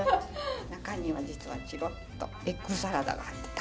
中には実はちろっとエッグサラダが入ってる卵。